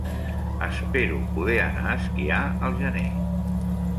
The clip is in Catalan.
Espero poder anar a esquiar al gener.